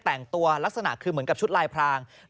แต่งตัวลักษณะคือเหมือนกับชุดลายพราง